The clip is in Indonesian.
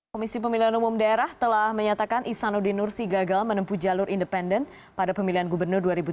komisi pemilihan umum daerah telah menyatakan isanuddin nursi gagal menempuh jalur independen pada pemilihan gubernur dua ribu tujuh belas